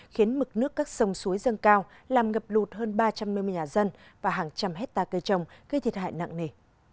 khiến mực nước các sông suối dâng cao làm ngập lụt hơn ba trăm một mươi nhà dân và hàng trăm hectare cây trồng gây thiệt hại nặng nề